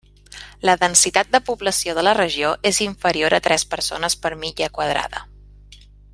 La densitat de població de la regió és inferior a tres persones per milla quadrada.